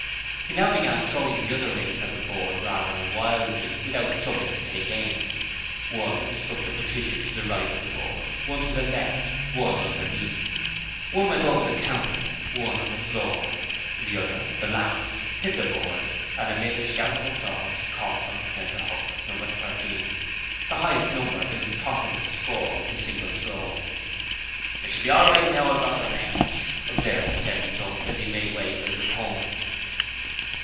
He now began throwing the other rings at the board rather wildly, without troubling to take aim. One struck the partition to the right of the board: one to the left: one underneath: one went over the counter, one on the floor, the other the last hit the board, and amid a shout of applause, caught on the centre hook No. 13, the highest number it was possible to score with a single throw. 'I shall be all right now that I've got the range,' observed the Semi drunk as he made way for his opponent.